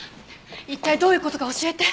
一体どういう事か教えて。